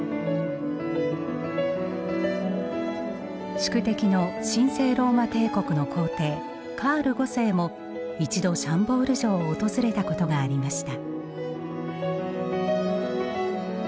宿敵の神聖ローマ帝国の皇帝カール五世も一度シャンボール城を訪れたことがありました。